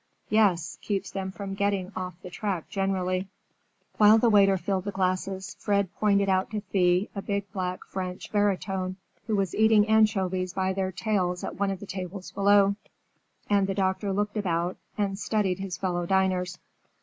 "Yes; keeps them from getting off the track generally." While the waiter filled the glasses, Fred pointed out to Thea a big black French barytone who was eating anchovies by their tails at one of the tables below, and the doctor looked about and studied his fellow diners.